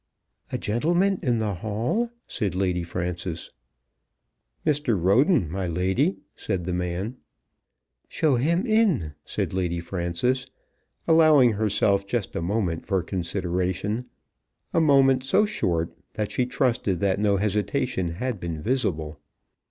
"A gentleman in the hall?" said Lady Frances. "Mr. Roden, my lady," said the man. "Show him in," said Lady Frances, allowing herself just a moment for consideration, a moment so short that she trusted that no hesitation had been visible.